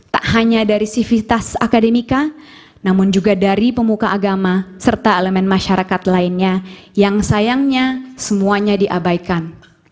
tak hanya dari sivitas akademika namun juga dari pemuka agama serta elemen masyarakat lainnya yang sayangnya semuanya diabaikan